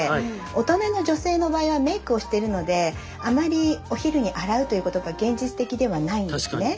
大人の女性の場合はメイクをしてるのであまりお昼に洗うということが現実的ではないんですね。